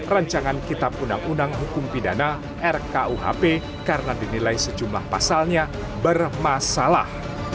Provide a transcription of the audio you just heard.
rancangan kitab undang undang hukum pidana rkuhp karena dinilai sejumlah pasalnya bermasalah